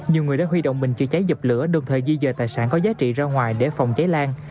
nhiều người đã huy động bình chữa cháy dập lửa đồng thời di dời tài sản có giá trị ra ngoài để phòng cháy lan